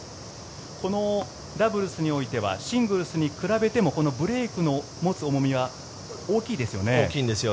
このダブルスにおいてはシングルスに比べてもこのブレイクの持つ重みが大きいですよね。